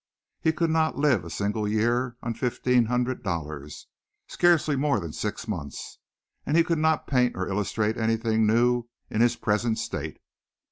He could not live a single year on fifteen hundred dollars scarcely more than six months, and he could not paint or illustrate anything new in his present state.